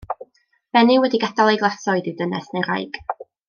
Benyw wedi gadael ei glasoed yw dynes neu wraig.